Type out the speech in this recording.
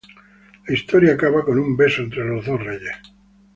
La historia acaba con un beso entre los dos reyes.